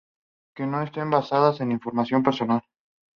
que no estén basadas en información personal